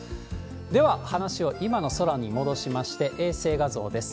では、話を今の空に戻しまして、衛星画像です。